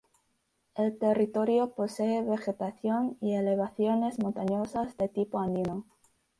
El territorio posee vegetación y elevaciones montañosas de tipo andino.